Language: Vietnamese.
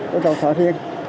tôi không sợ thiên